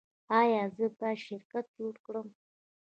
ایا زه باید شرکت جوړ کړم؟